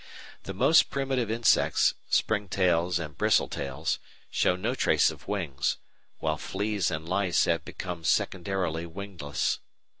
The most primitive insects (spring tails and bristle tails) show no trace of wings, while fleas and lice have become secondarily wingless.